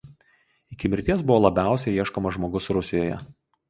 Iki mirties buvo labiausiai ieškomas žmogus Rusijoje.